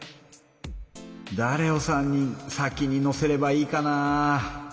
だれを３人先に乗せればいいかな？